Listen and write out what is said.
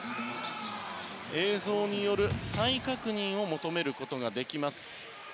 映像による再確認を求めることができます。